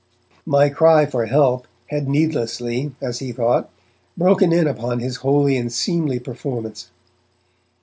My cry for help had needlessly, as he thought, broken in upon this holy and seemly performance.